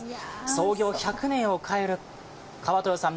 創業１００年を超える川豊さん